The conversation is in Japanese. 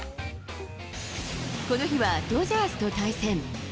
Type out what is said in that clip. この日はドジャースと対戦。